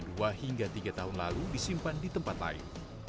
terkena kekuasaan yang tidak disiapkan oleh dana kekuasaan